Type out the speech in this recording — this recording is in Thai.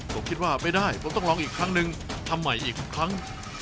ผมคิดว่าไม่ได้ผมต้องลองอีกครั้งนึงทำใหม่อีกครั้ง